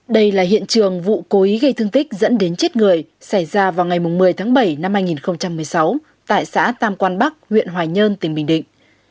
đây là hiện trường vụ cố ý gây thương tích dẫn đến chết người xảy ra vào ngày một mươi tháng bảy năm hai nghìn một mươi sáu tại xã tam quan bắc huyện hoài nhơn tỉnh bình định